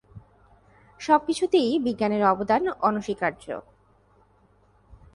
সবকিছুতেই বিজ্ঞানের অবদান অনস্বীকার্য।